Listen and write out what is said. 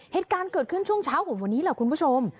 เหตุการณ์เกิดขึ้นช่วงเช้าของวันนี้แหละคุณผู้ชม